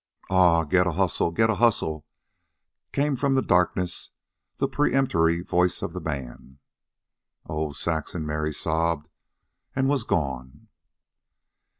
"Aw, get a hustle, get a hustle," came from the darkness the peremptory voice of the man. "Oh, Saxon!" Mary sobbed; and was gone.